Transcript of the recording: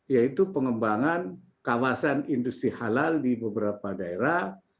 yaitu pengembangan kawasan industri halal di beberapa daerah